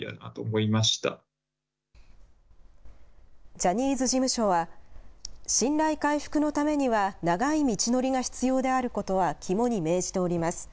ジャニーズ事務所は、信頼回復のためには、長い道のりが必要であることは肝に銘じております。